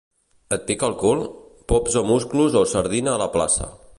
Et pica el cul? Pops o musclos o sardina a la plaça.